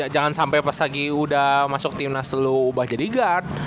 jangan sampai pas lagi udah masuk timnas lu ubah jadi guard